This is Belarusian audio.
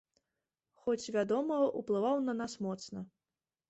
Хоць, вядома, уплываў на нас моцна.